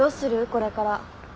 これから。